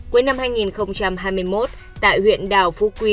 cuối năm hai nghìn hai mươi một tại huyện đảo phú quý